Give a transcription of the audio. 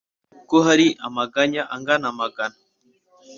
Ko hari amaganya angana amagana